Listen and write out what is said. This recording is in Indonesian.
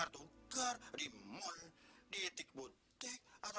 tapi mau jual